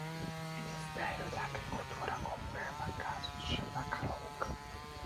Ministério da Agricultura confirma casos de vaca louca